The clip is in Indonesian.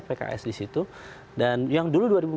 pks di situ dan yang dulu